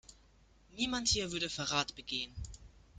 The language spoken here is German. Niemand hier würde Verrat begehen.